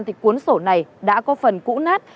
thì quấn sổ này đã có phần cũ nát